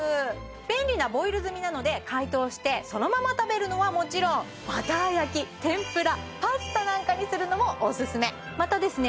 便利なボイル済みなので解凍してそのまま食べるのはもちろんバター焼き天ぷらパスタなんかにするのもおすすめまたですね